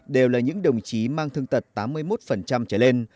đều là những đồng chí mang thương tật tám mươi một trở lên